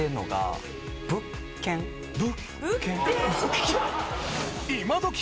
物件？